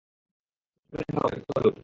পরে দেখা হবে, পিচ্চি ভালুক।